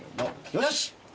よし。